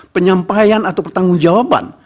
penyampaian atau pertanggung jawaban